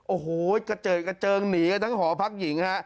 โอ้โฮกระเจิงหนีกันทั้งหอพักหญิง